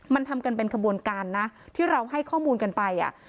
มันทำกันเป็นขบวนการนะที่เราให้ข้อมูลกันไป